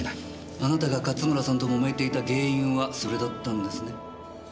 あなたが勝村さんと揉めていた原因はそれだったんですね？